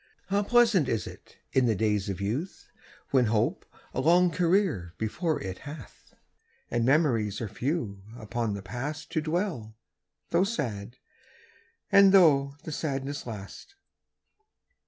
How pleasant is it, in the days of youth, When hope a long career before it hath, And memories are few, upon the past To dwell, though sad, and though the sadness last!